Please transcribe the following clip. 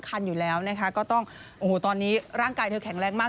เมื่อวานนี้เพิ่งเป็นประเด็นดราม่า